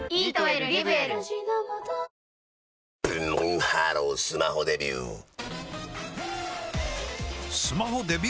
ブンブンハロースマホデビュー！